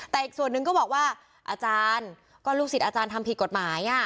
แต่อีกส่วนหนึ่งก็บอกว่าอาจารย์ก็ลูกศิษย์อาจารย์ทำผิดกฎหมาย